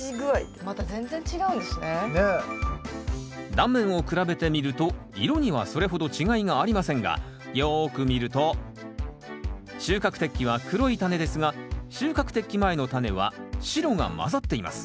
断面を比べてみると色にはそれほど違いがありませんがよく見ると収穫適期は黒いタネですが収穫適期前のタネは白が混ざっています。